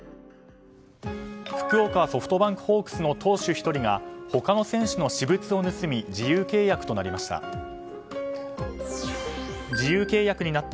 福岡ソフトバンクホークスの投手１人が他の選手の私物を盗み自由契約となりました。